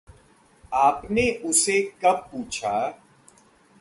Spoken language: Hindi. आपने उसे कब पूछा?